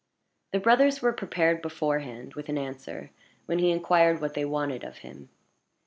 The brothers were prepared beforehand with an answer when he inquired what they wanted of him.